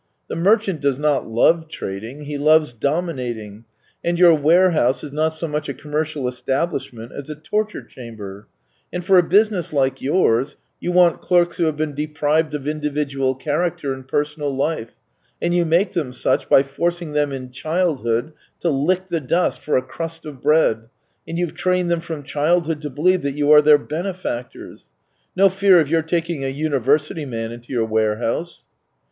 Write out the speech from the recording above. The merchant does not love trading, he loves domin ating, and your warehouse is not so much a com mercial establishment as a torture chamber ! And for a business like yours, you want clerks who have been deprived of individual character and personal life — and you make them such by forcing them in childhood to lick the dust for a crust of bread, and you've trained them from childhood to believe that you are their benefactors. No fear of your taking a university man into your warehouse